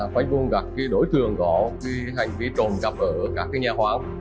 phát ngôn các cái đối tượng có cái hành vi trồn cặp ở các cái nhà khoa học